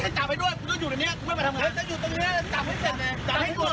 มันจอดอย่างง่ายอย่างง่ายอย่างง่ายอย่างง่าย